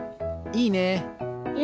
いいね！